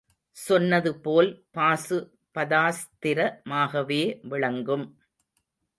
சொன்னது போல் பாசு பதாஸ்திர மாகவே விளங்கும்.